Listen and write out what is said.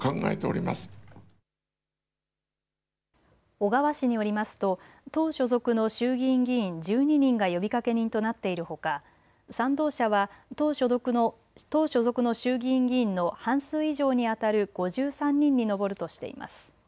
小川氏によりますと党所属の衆議院議員１２人が呼びかけ人となっているほか賛同者は、党所属の衆議院議員の半数以上に当たる５３人に上るとしています。